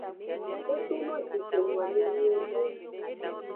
Edono jixo noame nyuiede.